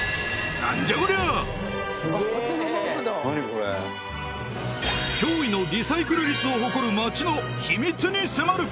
これ脅威のリサイクル率を誇る町の秘密に迫る！